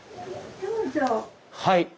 はい。